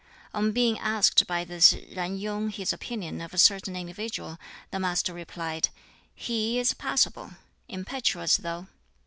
On being asked by this Yen Yung his opinion of a certain individual, the Master replied, "He is passable. Impetuous, though."